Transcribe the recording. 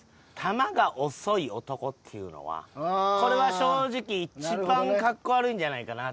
球が遅い男っていうのはこれは正直一番かっこ悪いんじゃないかな。